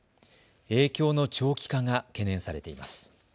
影響の長期化が懸念されています。